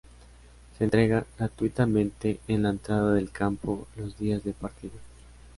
Se entrega gratuitamente en la entrada del campo los días de partido.